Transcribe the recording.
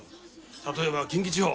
例えば近畿地方。